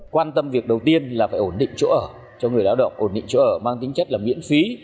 quan tâm việc đầu tiên là phải ổn định chỗ ở cho người lao động ổn định chỗ ở mang tính chất là miễn phí